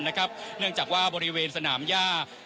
เนื่องจากว่าบริเวณสนามย่า